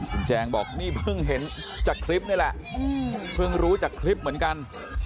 คุณแจงบอกนี่เพิ่งเห็นจากคลิปนี่แหละเพิ่งรู้จากคลิปเหมือนกัน